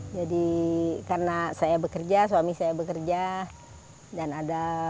jadi karena saya bekerja suami saya bekerja dan ada